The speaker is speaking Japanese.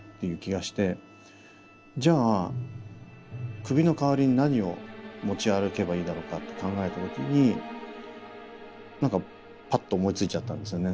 じゃあ首の代わりに何を持ち歩けばいいだろうかって考えた時に何かパッと思いついちゃったんですよね。